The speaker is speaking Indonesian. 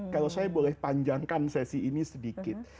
kalau saya boleh panjangkan sesi ini sedikit